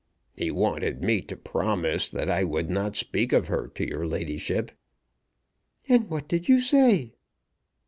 "He wanted me to promise that I would not speak of her to your ladyship." "And what did you say?"